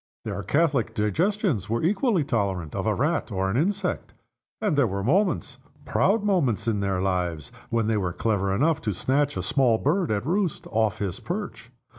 Their catholic digestions were equally tolerant of a rat or an insect. And there were moments, proud moments, in their lives, when they were clever enough to snatch a small bird at roost off his perch.